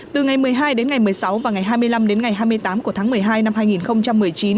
từ ngày một mươi hai đến ngày một mươi sáu và ngày hai mươi năm đến ngày hai mươi tám của tháng một mươi hai năm hai nghìn một mươi chín